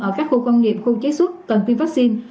ở các khu công nghiệp khu chế xuất cần tiêm vaccine